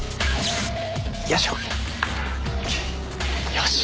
よし。